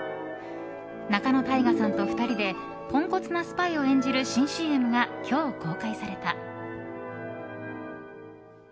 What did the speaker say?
仲野太賀さんと２人でポンコツなスパイを演じる新ＣＭが今日、公開された。